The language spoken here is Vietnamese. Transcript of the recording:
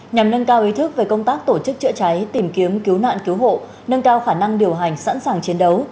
nhằm nâng cao ý thức về công tác tổ chức chữa cháy tìm kiếm cứu nạn cứu hộ nâng cao khả năng điều hành sẵn sàng chiến đấu